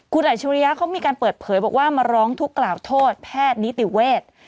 คุณอัจฉริยะเขามีการเปิดเผยบอกว่ามาร้องทุกข์กล่าวโทษแพทย์นิติเวทย์